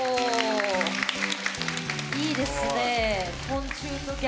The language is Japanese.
いいですねえ。